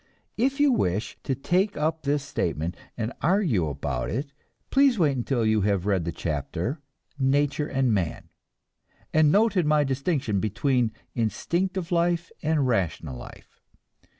If you wish to take up this statement and argue about it, please wait until you have read the chapter "Nature and Man," and noted my distinction between instinctive life and rational life.